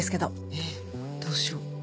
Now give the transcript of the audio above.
えっどうしよう。